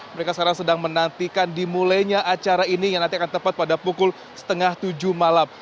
mereka sekarang sedang menantikan dimulainya acara ini yang nanti akan tepat pada pukul setengah tujuh malam